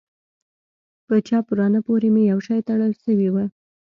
په چپ ورانه پورې مې يو شى تړل سوى و.